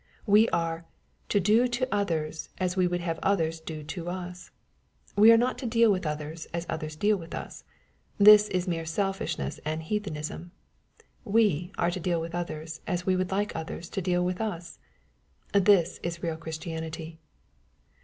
We are " to do to others as we would have others do to us." We arc not to deal with others as others deal with us. This is mere selfishness and heathenism. We are to deal with others as we would like others to deal with us. This is real Christianity.